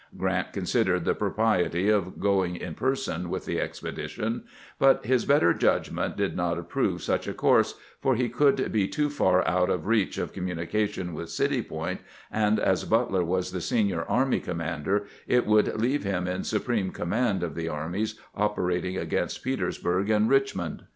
Grant considered the propriety of going in person with the expedition, but his better judgment did not approve ^uch a course, for he would be too far out of reach of communication with City Point, and as Butler was the senior army commander, it would leave him in supreme command of the armies operating against Petersburg and Richmond.